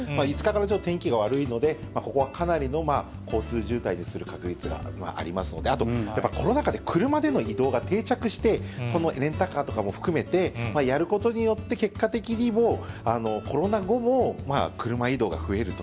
５日からちょっと天気が悪いので、ここはかなりの交通渋滞する確率がありますので、あとコロナ禍で車での移動が定着してこのレンタカーとかも含めて、やることによって、結果的にもうコロナ後も、車移動が増えると。